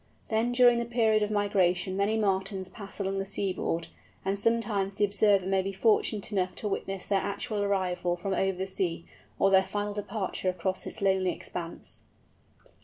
Then during the period of migration many Martins pass along the seaboard, and sometimes the observer may be fortunate enough to witness their actual arrival from over the sea, or their final departure across its lonely expanse.